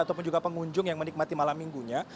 ataupun juga pengunjung yang menikmati malam minggunya